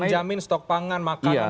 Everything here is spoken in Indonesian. menjamin stok pangan makan dan sebagainya